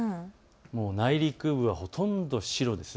内陸部は、ほとんど白ですね。